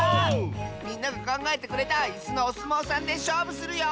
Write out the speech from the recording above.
みんながかんがえてくれたイスのおすもうさんでしょうぶするよ！